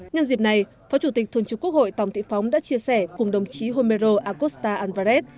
nhân dịp này phó chủ tịch thường trực quốc hội tòng thị phóng đã chia sẻ cùng đồng chí homero acosta alvarez